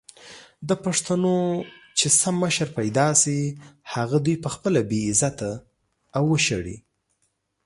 د پښتنو چې سم مشر پېدا سي هغه دوي خپله بې عزته او وشړي!